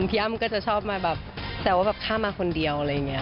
มีคุณมึงก็จะชอบมาแบบแต่ว่าข้ามมาคนเดียวอะไรอย่างนี้